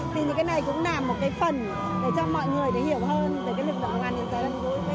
thì những cái này cũng làm một cái phần để cho mọi người hiểu hơn về lực lượng công an nhân dân gần gũi